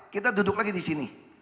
kita duduk lagi disini